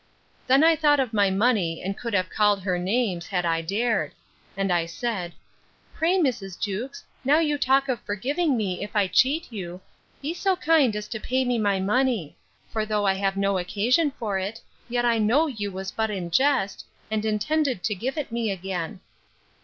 Then I thought of my money, and could have called her names, had I dared: And I said, Pray Mrs. Jewkes, now you talk of forgiving me, if I cheat you, be so kind as to pay me my money; for though I have no occasion for it, yet I know you was but in jest, and intended to give it me again.